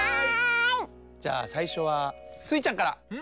じゃあさいしょはスイちゃんから！